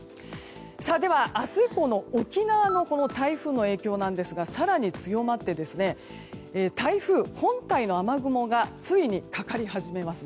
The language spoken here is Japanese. では、明日以降の沖縄の台風の影響なんですが更に強まって、台風本体の雨雲がついにかかり始めます。